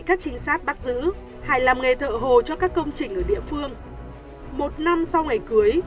các trinh sát bắt giữ hải làm nghề thợ hồ cho các công trình ở địa phương một năm sau ngày cưới